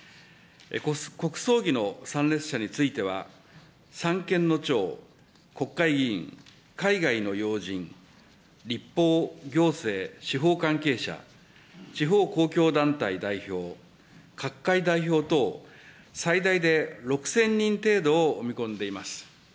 国葬儀の参列者については、三権の長、国会議員、海外の要人、立法、行政、司法関係者、地方公共団体代表、各界代表等、最大で６０００人程度を見込んでいます。